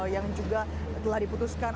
yang juga telah diputuskan